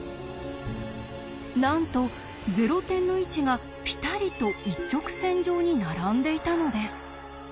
なんとゼロ点の位置がピタリと一直線上に並んでいたのです。